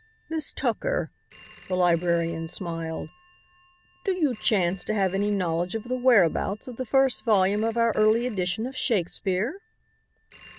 "Miss Tucker," the librarian smiled, "do you chance to have any knowledge of the whereabouts of the first volume of our early edition of Shakespeare?"